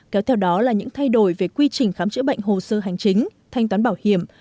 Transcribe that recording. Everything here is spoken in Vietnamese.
kéo theo đó là những thay đổi về quy trình khám chữa bệnh hồ sơ hành chính thanh toán bảo hiểm